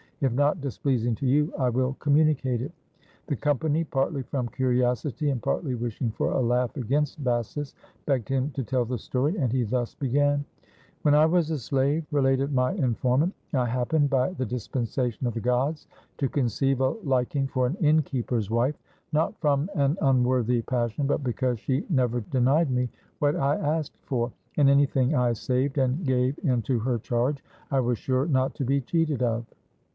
If not displeas ing to you, I will communicate it." The company, partly from curiosity, and partly wishing for a laugh against Bassus, begged him to tell the story, and he thus be gan:— "'When I was a slave,' related my informant, *I hap pened, by the dispensation of the gods, to conceive a Hk ing for an innkeeper's wife; not from an unworthy pas sion, but because she never denied me what I asked for, and anything I saved and gave into her charge, I was sure not to be cheated of.